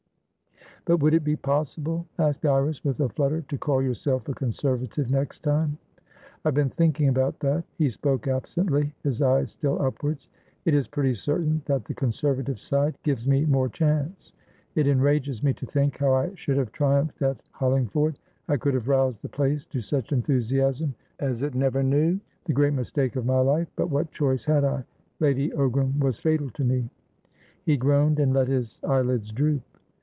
"But would it be possible?" asked Iris, with a flutter, "to call yourself a Conservative next time?" "I have been thinking about that." He spoke absently, his eyes still upwards. "It is pretty certain that the Conservative side gives me more chance. It enrages me to think how I should have triumphed at Hollingford! I could have roused the place to such enthusiasm as it never knew! The great mistake of my lifebut what choice had I? Lady Ogram was fatal to me." He groaned, and let his eyelids droop.